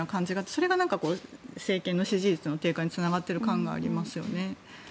それが政権の支持率の低下につながっている感がありますよね。